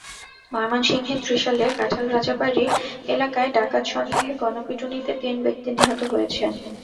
ময়মনসিংহের ত্রিশালে কাঁঠাল রাজাবাড়ি এলাকায় ডাকাত সন্দেহে গণপিটুনিতে তিন ব্যক্তি নিহত হয়েছেন।